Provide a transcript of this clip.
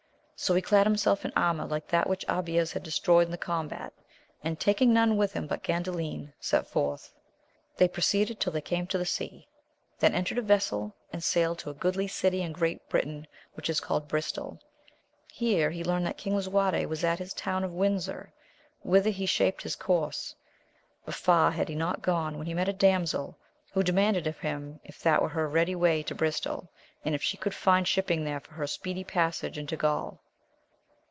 So he clad himself in armour like that which Abies had destroyed in the combat, and taking none with him but Gandalin set forth. They proceeded till they came to the sea, then entered a vessel, and sailed to a goodly city in Great Britain, which is called Bristol.* Here he learnt that King Lisuarte was at his town of Windsor,t whither he shaped his course ; but far had he not gone when he met a damsel, who demanded of him if that were her ready way to Bristol, and if she could find shipping there for her speedy passage into Gaul.